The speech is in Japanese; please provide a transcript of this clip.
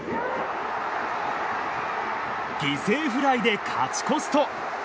犠牲フライで勝ち越すと。